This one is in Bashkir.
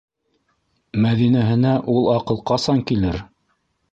Мәҙинәһенә ул аҡыл ҡасан килер?!